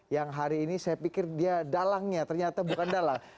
yang hari ini saya pikir dia dalangnya ternyata bukan dalang